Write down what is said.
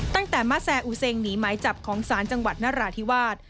ตั้งแต่มะแซ่อูเซงหนีหมายจับของศาลจังหวัดนราธิวาส